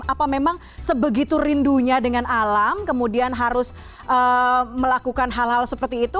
apa memang sebegitu rindunya dengan alam kemudian harus melakukan hal hal seperti itu